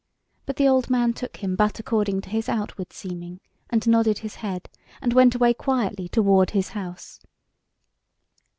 But the old man took him but according to his outward seeming, and nodded his head, and went away quietly toward his house.